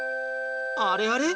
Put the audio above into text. あれあれ？